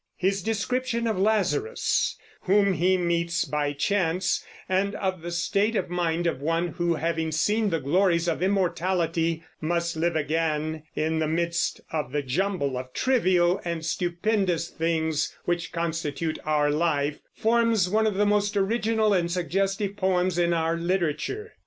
His description of Lazarus, whom he meets by chance, and of the state of mind of one who, having seen the glories of immortality, must live again in the midst of the jumble of trivial and stupendous things which constitute our life, forms one of the most original and suggestive poems in our literature.